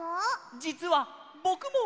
じつはぼくも！